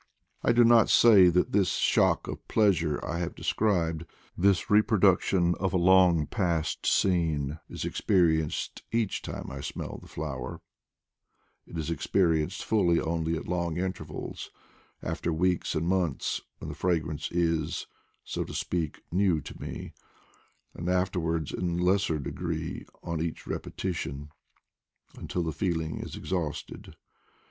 I do not say that this shock of pleasure I have described, this vivid reproduction of a long past scene, is experienced each time I smell the flower; it is experienced fully only at long intervals, after weeks and months, when the fragrance is, so to speak, new to me, and afterwards in a lesser de gree on each repetition, until the feeling is ex hausted.